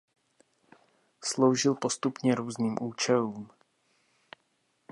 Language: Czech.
Sloužil postupně různým účelům.